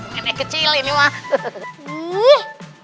nenek kecil ini wak